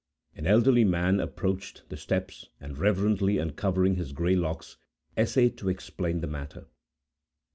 An elderly man approached the steps, and reverently uncovering his gray locks, essayed to explain the matter.